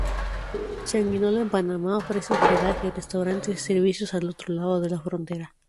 Changuinola, en Panamá, ofrece hospedaje, restaurantes y servicios al otro lado de la frontera.